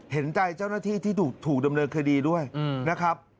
เห็นใจเจ้าหน้าที่ที่ถูกดำเนินคดีด้วยนะครับ